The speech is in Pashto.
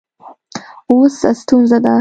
اوس څه ستونزه ده